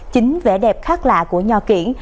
chính vẻ đẹp khác lạ của nho kiện